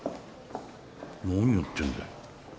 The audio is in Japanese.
何やってんだよ。